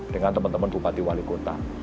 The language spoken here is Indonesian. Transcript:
dengan teman teman bupati wali kota